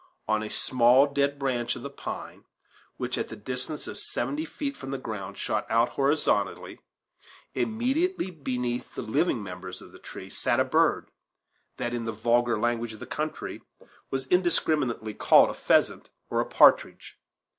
On a small dead branch of the pine, which, at the distance of seventy feet from the ground, shot out horizontally, immediately beneath the living members of the tree, sat a bird, that in the vulgar language of the country was indiscriminately called a pheasant or a partridge.